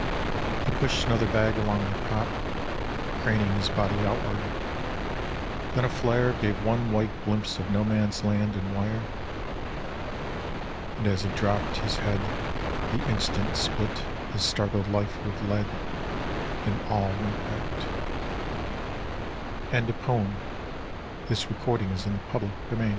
He pushed another bag along the top, Craning his body outward; then a flare Gave one white glimpse of No Man's Land and wire; And as he dropped his head the instant split His startled life with lead, and all went out Seigfried Sassoon The Dug Out WHY do you lie with your legs u